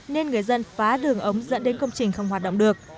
nên người dân phá đường ống dẫn đến công trình không hoạt động được